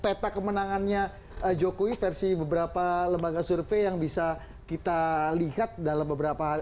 kita lihat dulu yuk peta kemenangannya jokowi versi beberapa lembaga survei yang bisa kita lihat dalam beberapa wawancara